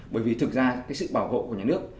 bởi vì thực ra cái sự bảo hộ của nhà nước